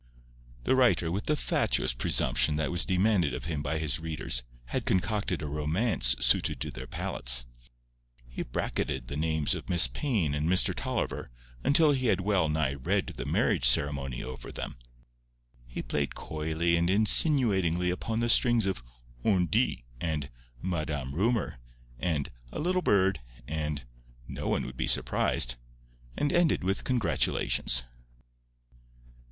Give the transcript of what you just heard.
The writer, with the fatuous presumption that was demanded of him by his readers, had concocted a romance suited to their palates. He bracketed the names of Miss Payne and Mr. Tolliver until he had well nigh read the marriage ceremony over them. He played coyly and insinuatingly upon the strings of "on dit" and "Madame Rumour" and "a little bird" and "no one would be surprised," and ended with congratulations.